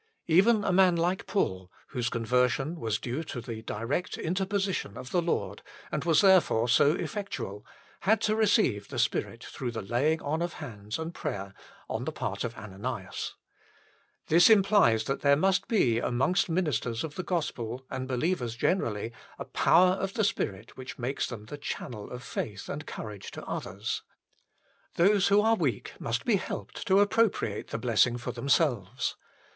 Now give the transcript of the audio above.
Even a man like Paul whose conversion was due to the direct interposition of the Lord, and was there fore so effectual had to receive the Spirit through laying on of hands and prayer on the part of Ananias. 1 This implies that there must be amongst ministers of the gospel and believers 1 Acts ix. 17 16 THE FULL BLESSING OF PENTECOST generally a power of the Spirit which makes them the channel of faith and courage to others. Those who are weak must be helped to appropriate the blessing for themselves.